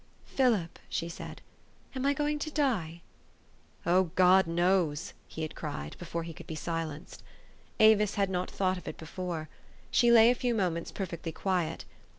" Philip," she said, " am I going to die? "" Oh, God knows!" he had cried, before he could be silenced. Avis had not thought of it be fore. She lay a few moments perfectly quiet.